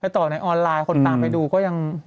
ต่อในออนไลน์คนตามไปดูก็ยัง